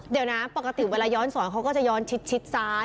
เดี๋ยวนะปกติเวลาย้อนสอนเขาก็จะย้อนชิดซ้าย